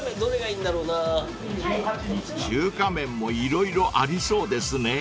［中華麺も色々ありそうですね］